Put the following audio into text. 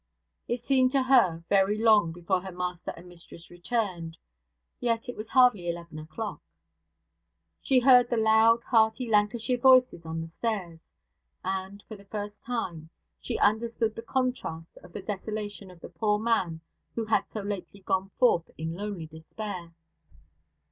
It seemed to her very long before her master and mistress returned; yet it was hardly eleven o'clock. She heard the loud, hearty Lancashire voices on the stairs; and, for the first time, she understood the contrast of the desolation of the poor man who had so lately gone forth in lonely despair.